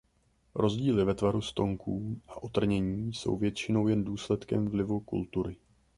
Rozdíly ve tvaru stonků a otrnění jsou většinou jen důsledkem vlivu kultury.